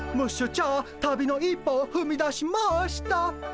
チャー旅の一歩を踏み出しました！